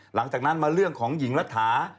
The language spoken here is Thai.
หลังจากนั้นมาเรื่องของหญิงรัฐา